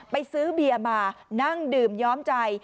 ไปซื้อเบียร์มานั่งดื่มย้อมใจ